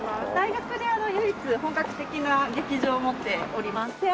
大学で唯一本格的な劇場を持っております。